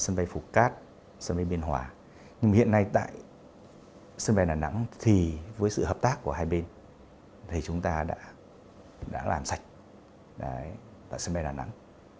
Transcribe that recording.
nhưng hiện nay tại sân bay đà nẵng thì với sự hợp tác của hai bên thì chúng ta đã làm sạch tại sân bay đà nẵng